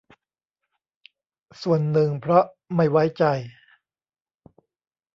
ส่วนหนึ่งเพราะไม่ไว้ใจ